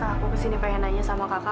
aku kesini pengen nanya sama kakak